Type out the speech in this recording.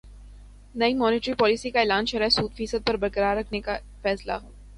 نئی monetary policy کا اعلان شرح سود فیصد پر برقرار رکھنے کا فیصلہ